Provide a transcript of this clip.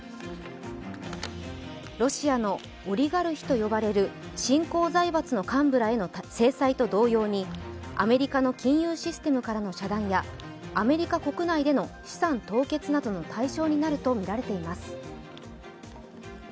ロシアのオリガルヒと呼ばれる新興財閥の幹部らへの制裁と同様にアメリカの金融システムからの遮断やアメリカ国内での資産凍結などの対象になるとみられています。